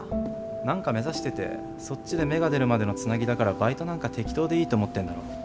何か目指しててそっちで芽が出るまでのつなぎだからバイトなんか適当でいいと思ってるんだろ。